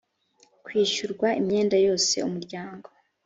kwishyurwa imyenda yose umuryango